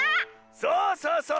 そうそうそう！